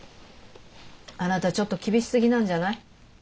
あなたちょっと厳しすぎなんじゃない？